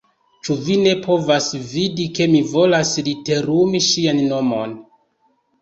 Ĉu vi ne povas vidi, ke mi volas literumi ŝian nomon?